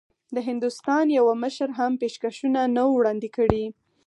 د هندوستان یوه مشر هم پېشکشونه نه وو وړاندي کړي.